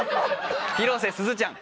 広瀬すずちゃん。